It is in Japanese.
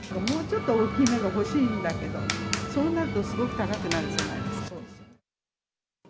もうちょっと大きいのが欲しいんだけど、そうなるとすごく高くなるじゃないですか。